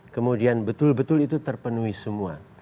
kemudian betul betul itu terpenuhi semua